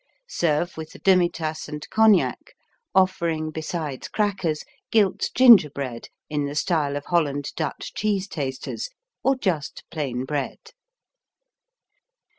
Serve with the demitasse and cognac, offering, besides crackers, gilt gingerbread in the style of Holland Dutch cheese tasters, or just plain bread.